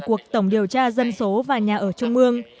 cuộc tổng điều tra dân số và nhà ở trung ương